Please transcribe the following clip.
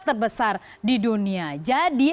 terbesar di dunia jadi